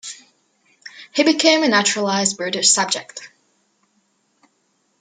He became a naturalized British subject.